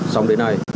xong đến nay